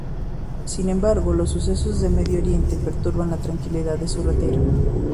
Sin embargo los sucesos de Medio Oriente perturban la tranquilidad de su retiro.